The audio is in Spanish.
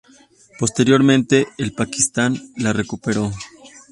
Posteriormente el Pakistán la recuperó.